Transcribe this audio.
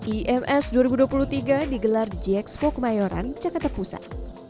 ims dua ribu dua puluh tiga digelar di gxpo kemayoran jakarta pusat